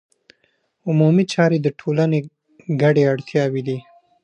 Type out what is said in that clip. عمومي چارې د ټولنې ګډې اړتیاوې دي.